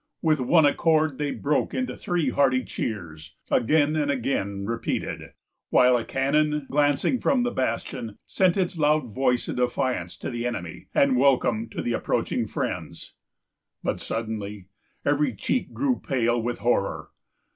With one accord, they broke into three hearty cheers, again and again repeated, while a cannon, glancing from the bastion, sent its loud voice of defiance to the enemy, and welcome to approaching friends. But suddenly every cheek grew pale with horror.